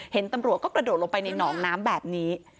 เห็นตำรวจก็กระโดดลงไปในหนองน้ำแบบนี้